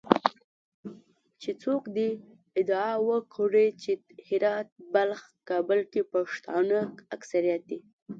چې څوک دې ادعا وکړي چې هرات، بلخ، کابل کې پښتانه اکثریت دي